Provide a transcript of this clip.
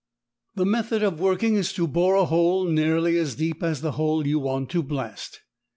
16] The method of working is to bore a hole nearly as deep as the hole you want to blast.